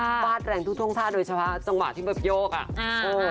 ฟาดแรงทุกท่วงท่าโดยเฉพาะจังหวะที่แบบโยกอ่ะอ่า